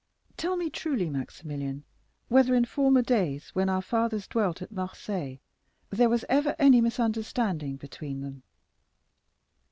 "Tell me truly, Maximilian, whether in former days, when our fathers dwelt at Marseilles, there was ever any misunderstanding between them?"